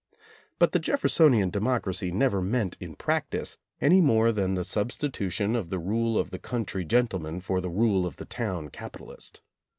But the Jeffersonian democracy never meant in practice any more than the substitution of the rule of the country gen tleman for the rule of the town capitalist.